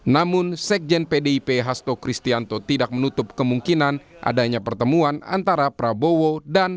namun sekjen pdip hasto kristianto tidak menutup kemungkinan adanya pertemuan antara prabowo dan